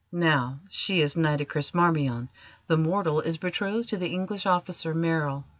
Now, she, as Nitocris Marmion, the mortal, is betrothed to the English officer, Merrill.